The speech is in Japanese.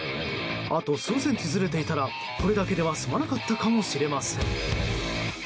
あと数センチずれていたらこれだけでは済まなかったかもしれません。